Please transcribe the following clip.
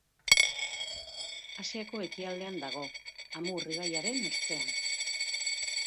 Asiako ekialdean dago, Amur ibaiaren ertzean.